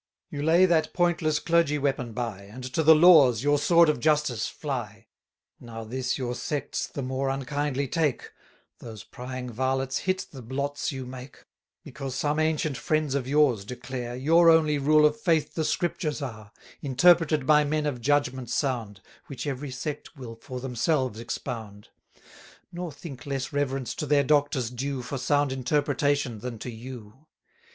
You lay that pointless clergy weapon by, 420 And to the laws, your sword of justice, fly. Now this your sects the more unkindly take (Those prying varlets hit the blots you make), Because some ancient friends of yours declare, Your only rule of faith the Scriptures are, Interpreted by men of judgment sound, Which every sect will for themselves expound; Nor think less reverence to their doctors due For sound interpretation, than to you.